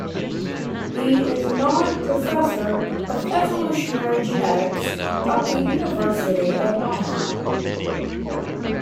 He is now Professor of evolutionary genetics at the University of Nottingham.